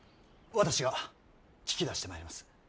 私が聞き出してまいります。